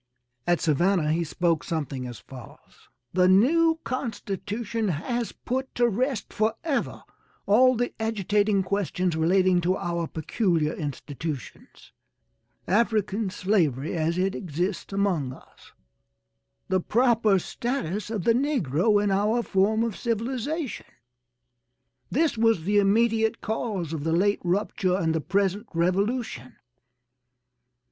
At Savannah he spoke something as follows: "The new constitution has put to rest forever all the agitating questions relating to our peculiar institutions African slavery as it exists among us the proper status of the negro in our form of civilization. This was the immediate cause of the late rupture and the present revolution.